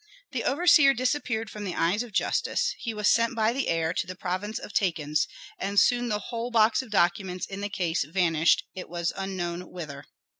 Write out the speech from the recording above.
The overseer disappeared from the eyes of justice, he was sent by the heir to the province of Takens, and soon the whole box of documents in the case vanished it was unknown whither.